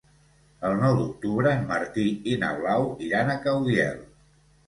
El nou d'octubre en Martí i na Blau iran a Caudiel.